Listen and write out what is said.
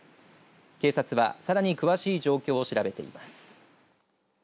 警察は、さらに詳しい状況を調べています。